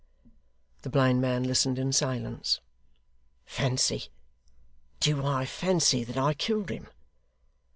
The blind man listened in silence. 'Fancy! Do I fancy that I killed him?